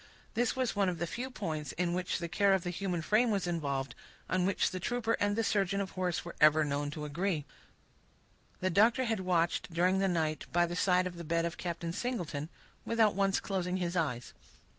This was one of the few points, in which the care of the human frame was involved, on which the trooper and the surgeon of horse were ever known to agree. The doctor had watched, during the night, by the side of the bed of Captain Singleton, without once closing his eyes.